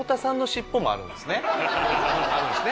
あるんですね。